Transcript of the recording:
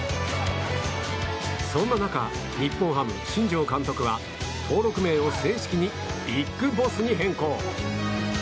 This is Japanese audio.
そんな中、日本ハム新庄監督は登録名を正式にビッグボスに変更。